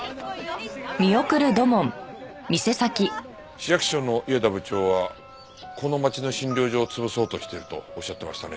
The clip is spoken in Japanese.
市役所の伊江田部長はこの町の診療所を潰そうとしているとおっしゃってましたね？